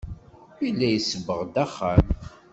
Yella isebbeɣ-d axxam.